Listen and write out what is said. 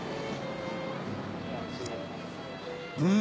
うん！